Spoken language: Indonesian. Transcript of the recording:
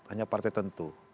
hanya partai tentu